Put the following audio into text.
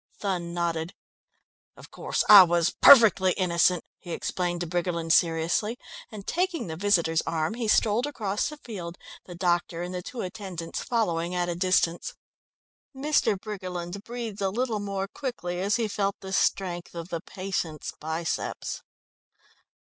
Thun nodded. "Of course, I was perfectly innocent," he explained to Briggerland seriously, and taking the visitor's arm he strolled across the field, the doctor and the two attendants following at a distance. Mr. Briggerland breathed a little more quickly as he felt the strength of the patient's biceps.